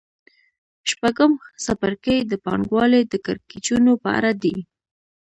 شپږم څپرکی د پانګوالۍ د کړکېچونو په اړه دی